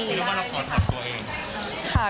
คิดว่าเราขอถอดตัวเอง